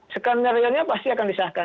skenario nya pasti akan disahkan